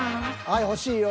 はい欲しいよ。